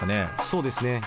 そうですね。